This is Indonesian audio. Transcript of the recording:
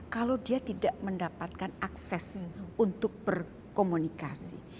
kalau dia tidak mendapatkan akses untuk berkomunikasi